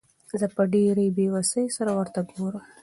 زه په ډېرې بېوسۍ سره ورته ګورم.